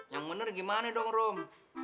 yang bener gimana dong rom